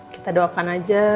kita doakan aja